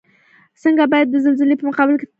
خلک باید د زلزلې په مقابل کې تیاری ولري